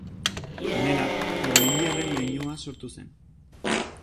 Honela, karolingiarren leinua sortu zen.